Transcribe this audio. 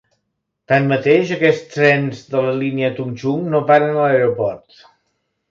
Tanmateix, aquests trens de la línia Tung Chung no paren a l'aeroport.